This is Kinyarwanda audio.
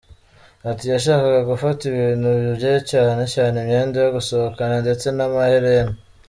Ati: “Yashakaga gufata ibintu bye cyane cyane imyenda yo gusohokana ndetse n’amaherena”.